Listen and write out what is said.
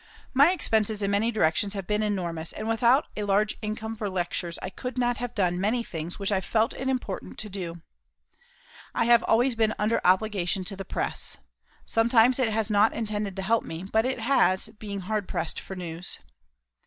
My expenses in many directions have been enormous, and without a large income for lectures I could not have done many things which I felt it important to do. I have always been under obligation to the press. Sometimes it has not intended to help me, but it has, being hard pressed for news.